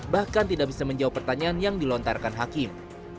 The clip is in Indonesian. bahkan tidak bisa menjawab pertanyaan yang dilontarkan hakim